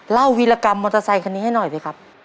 วีรกรรมมอเตอร์ไซคันนี้ให้หน่อยสิครับ